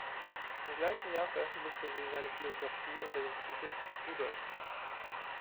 Im gleichen Jahr veröffentlichte sie seine Biografie unter dem Titel "Rudolf.